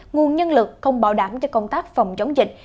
nguồn nhân lực không bảo đảm cho công tác phòng chống dịch